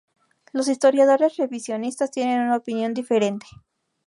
Los historiadores revisionistas tienen una opinión diferente.